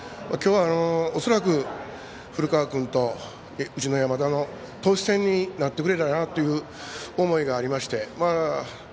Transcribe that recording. きょうは恐らく古川君と、うちの山田の投手戦になってくれたらなという思いがありまして。